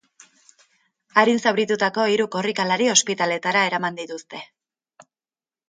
Arin zauritutako hiru korrikalari ospitaleetara eraman dituzte.